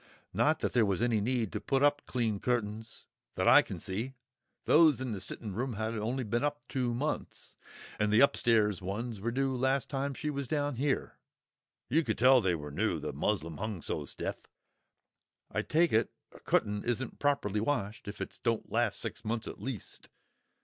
Not that there was any need to put up clean cutt'ns, that I can see; those in the sittin' room had only been up two months, and the upstairs ones were new last time she was down here; you could tell they were new, the muslin hung so stiff. I take it a cutt'n isn't properly washed if it don't last six months at least.